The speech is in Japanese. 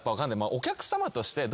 お客さまとして。